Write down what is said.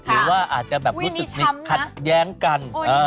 หรือว่าอาจจะแบบรู้สึกขัดแย้งกัน